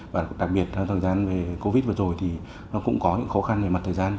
và đặc biệt trong thời gian về covid vừa rồi thì nó cũng có những khó khăn về mặt thời gian